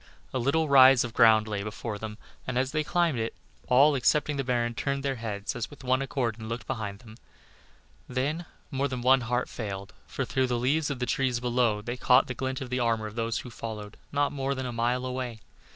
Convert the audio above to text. A little rise of ground lay before them, and as they climbed it, all, excepting the baron, turned their heads as with one accord and looked behind them. Then more than one heart failed, for through the leaves of the trees below, they caught the glint of armor of those who followed not more than a mile away.